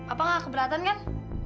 apa nggak keberatan kan